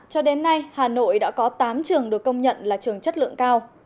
cho đến nay hà nội đã có tám trường được công nhận là trường chất lượng cao